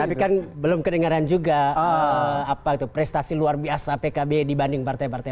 tapi kan belum kedengeran juga apa itu prestasi luar biasa pkb dibanding partai partai